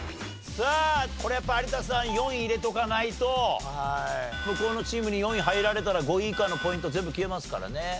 さあこれやっぱり有田さん４位入れとかないと向こうのチームに４位入られたら５位以下のポイント全部消えますからね。